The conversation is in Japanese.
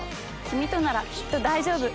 君とならきっと大丈夫。